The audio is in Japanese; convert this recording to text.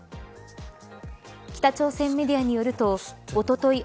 北朝鮮メディアによるとおととい